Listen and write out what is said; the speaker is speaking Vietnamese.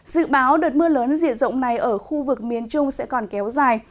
dự báo đợt mưa lớn diện rộng này ở khu vực miền trung sẽ còn kéo dài